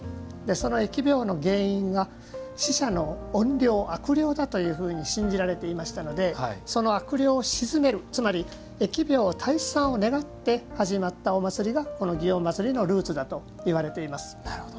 その疫病の原因が死者の怨霊悪霊だというように信じられていましたのでその悪霊を鎮めるつまり疫病退散を願って始まったお祭りが祇園祭のルーツだといわれています。